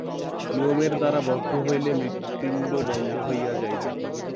নিয়মের দ্বারা বদ্ধ হইলে মৃৎপিণ্ড হইয়া যাইবে।